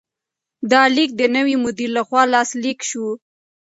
دا لیک د نوي مدیر لخوا لاسلیک شو.